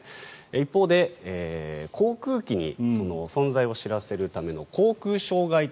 一方で航空機に存在を知らせるための航空障害灯